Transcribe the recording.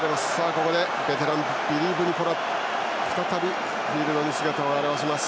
ここで、ベテランのビリー・ブニポラが再びフィールドに姿を現します。